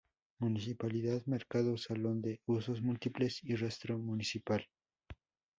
Municipalidad, Mercado, Salón de Usos Múltiples y Rastro Municipal.